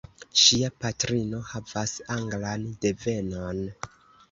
Ŝia patrino havas anglan devenon.